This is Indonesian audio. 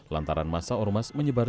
lantaran masa ormas menyebar